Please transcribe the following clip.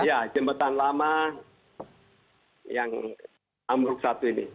iya jembatan lama yang amruk satu ini